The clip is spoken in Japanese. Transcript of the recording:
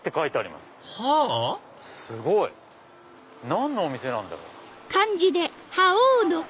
すごい！何のお店なんだろう？